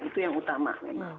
itu yang utama memang